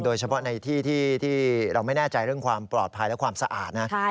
โดยเฉพาะในที่ที่เราไม่แน่ใจเรื่องความปลอดภัยและความสะอาดนะ